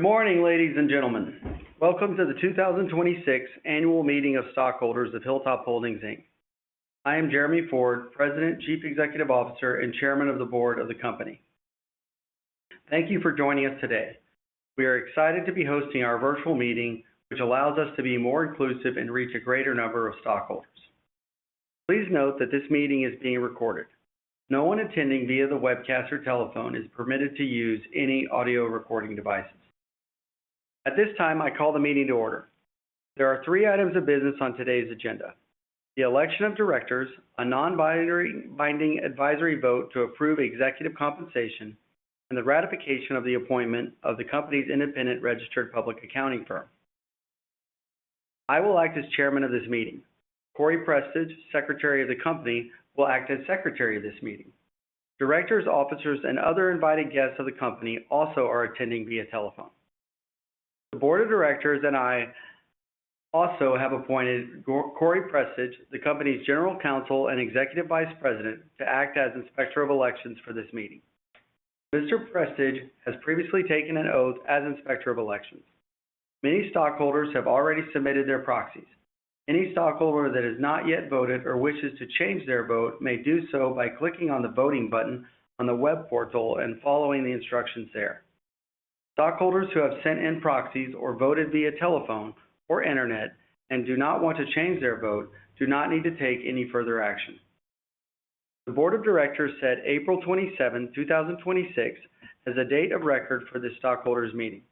Morning, ladies and gentlemen. Welcome to the 2026 Annual Meeting of Stockholders of Hilltop Holdings Inc. I am Jeremy Ford, President, Chief Executive Officer, and Chairman of the Board of the company. Thank you for joining us today. We are excited to be hosting our virtual meeting, which allows us to be more inclusive and reach a greater number of stockholders. Please note that this meeting is being recorded. No one attending via the webcast or telephone is permitted to use any audio recording devices. At this time, I call the meeting to order. There are three items of business on today's agenda: the election of directors, a non-binding advisory vote to approve executive compensation, and the ratification of the appointment of the company's independent registered public accounting firm. I will act as chairman of this meeting. Corey Prestidge, Secretary of the company, will act as secretary of this meeting. Directors, officers, and other invited guests of the company also are attending via telephone. The board of directors and I also have appointed Corey Prestidge, the company's General Counsel and Executive Vice President, to act as Inspector of Elections for this meeting. Mr. Prestidge has previously taken an oath as Inspector of Elections. Many stockholders have already submitted their proxies. Any stockholder that has not yet voted or wishes to change their vote may do so by clicking on the voting button on the web portal and following the instructions there. Stockholders who have sent in proxies or voted via telephone or internet and do not want to change their vote do not need to take any further action. The board of directors set April 27, 2026, as the date of record for this stockholders meeting.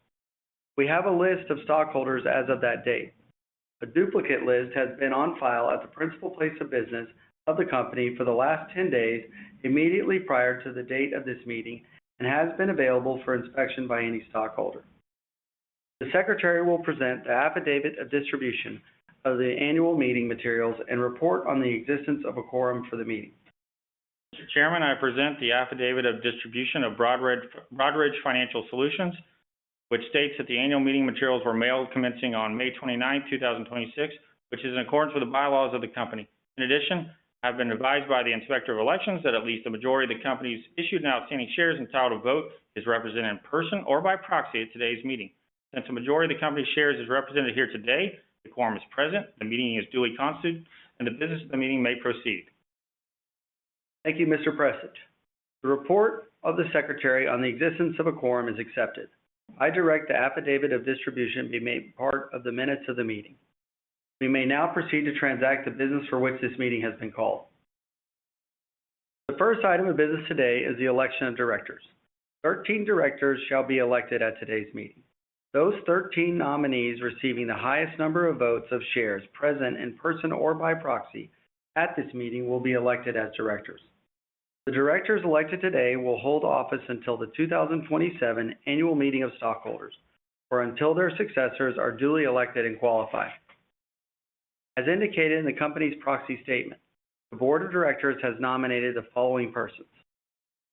We have a list of stockholders as of that date. A duplicate list has been on file at the principal place of business of the company for the last 10 days immediately prior to the date of this meeting and has been available for inspection by any stockholder. The Secretary will present the affidavit of distribution of the annual meeting materials and report on the existence of a quorum for the meeting. Mr. Chairman, I present the affidavit of distribution of Broadridge Financial Solutions, which states that the annual meeting materials were mailed commencing on May 29, 2026, which is in accordance with the bylaws of the company. In addition, I have been advised by the Inspector of Elections that at least a majority of the company's issued and outstanding shares, entitled to vote, is represented in person or by proxy at today's meeting. Since a majority of the company's shares is represented here today, the quorum is present, the meeting is duly constituted, and the business of the meeting may proceed. Thank you, Mr. Prestidge. The report of the Secretary on the existence of a quorum is accepted. I direct the affidavit of distribution be made part of the minutes of the meeting. We may now proceed to transact the business for which this meeting has been called. The first item of business today is the election of directors. 13 directors shall be elected at today's meeting. Those 13 nominees receiving the highest number of votes of shares present in person or by proxy at this meeting will be elected as directors. The directors elected today will hold office until the 2027 Annual Meeting of Stockholders or until their successors are duly elected and qualified. As indicated in the company's proxy statement, the board of directors has nominated the following persons: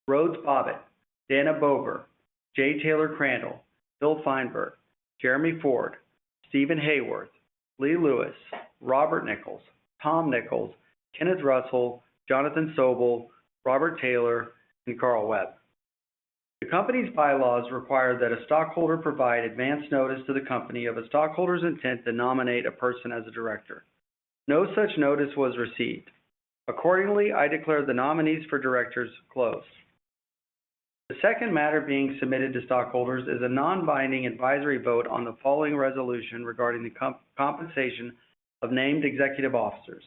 Rhodes Bobbitt, Dana Bober, J. Taylor Crandall, Hill Feinberg, Jeremy Ford, Stephen Haworth, Lee Lewis, Robert Nichols, Tom Nichols, Kenneth Russell, Jonathan Sobel, Robert Taylor, and Carl Webb. The company's bylaws require that a stockholder provide advance notice to the company of a stockholder's intent to nominate a person as a director. No such notice was received. Accordingly, I declare the nominees for directors closed. The second matter being submitted to stockholders is a non-binding advisory vote on the following resolution regarding the compensation of named executive officers,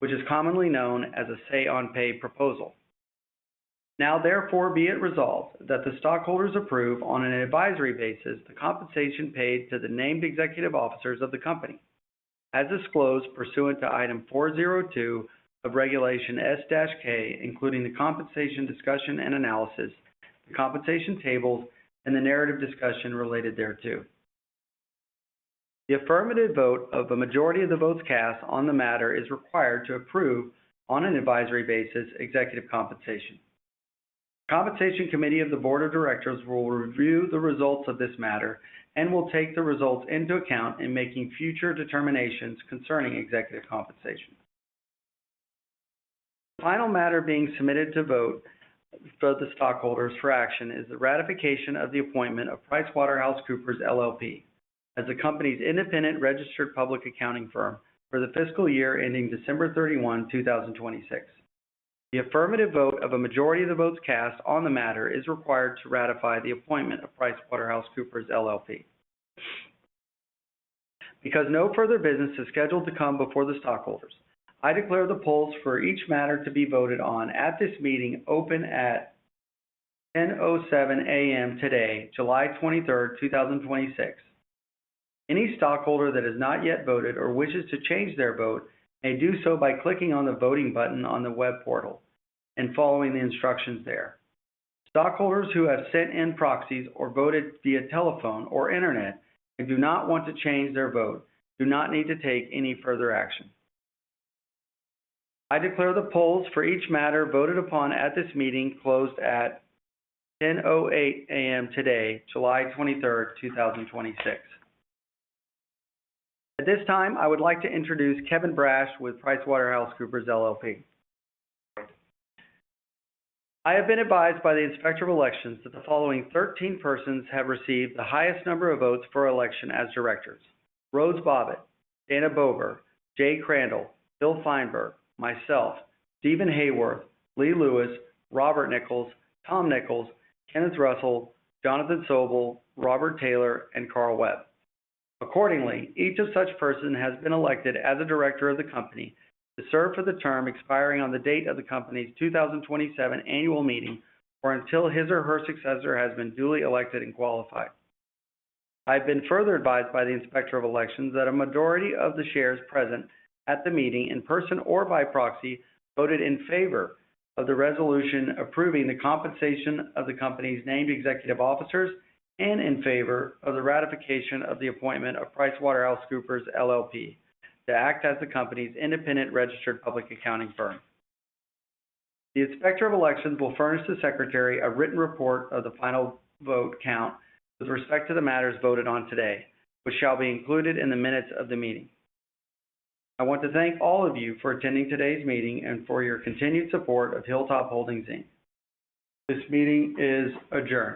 which is commonly known as a say on pay proposal. Now, therefore, be it resolved that the stockholders approve, on an advisory basis, the compensation paid to the named executive officers of the company, as disclosed pursuant to Item 402 of Regulation S-K, including the compensation discussion and analysis, the compensation tables, and the narrative discussion related thereto. The affirmative vote of a majority of the votes cast on the matter is required to approve, on an advisory basis, executive compensation. The Compensation Committee of the Board of Directors will review the results of this matter and will take the results into account in making future determinations concerning executive compensation. The final matter being submitted to vote for the stockholders for action is the ratification of the appointment of PricewaterhouseCoopers LLP as the company's independent registered public accounting firm for the fiscal year ending December 31, 2026. The affirmative vote of a majority of the votes cast on the matter is required to ratify the appointment of PricewaterhouseCoopers LLP. Because no further business is scheduled to come before the stockholders, I declare the polls for each matter to be voted on at this meeting open at 10:07 A.M. today, July 23, 2026. Any stockholder that has not yet voted or wishes to change their vote may do so by clicking on the voting button on the web portal and following the instructions there. Stockholders who have sent in proxies or voted via telephone or internet and do not want to change their vote do not need to take any further action. I declare the polls for each matter voted upon at this meeting closed at 10:08 A.M. today, July 23, 2026. At this time, I would like to introduce Kevin Brasch with PricewaterhouseCoopers LLP. I have been advised by the Inspector of Elections that the following 13 persons have received the highest number of votes for election as directors: Rhodes Bobbitt, Dana Bober, J. Crandall, Hill Feinberg, myself, Stephen Haworth, Lee Lewis, Robert Nichols, Tom Nichols, Kenneth Russell, Jonathan Sobel, Robert Taylor, and Carl Webb. Accordingly, each of such person has been elected as a director of the company to serve for the term expiring on the date of the company's 2027 annual meeting or until his or her successor has been duly elected and qualified. I've been further advised by the Inspector of Elections that a majority of the shares present at the meeting, in person or by proxy, voted in favor of the resolution approving the compensation of the company's named executive officers and in favor of the ratification of the appointment of PricewaterhouseCoopers, LLP to act as the company's independent registered public accounting firm. The Inspector of Elections will furnish to the Secretary a written report of the final vote count with respect to the matters voted on today, which shall be included in the minutes of the meeting. I want to thank all of you for attending today's meeting and for your continued support of Hilltop Holdings, Inc. This meeting is adjourned.